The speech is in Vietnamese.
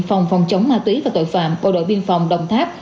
phòng phòng chống ma túy và tội phạm bộ đội biên phòng đồng tháp